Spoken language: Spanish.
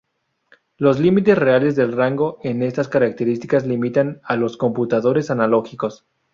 Los límites reales de rango en estas características limitan a los computadores analógicos.